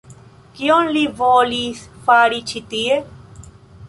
Kion li volis fari ĉi tie?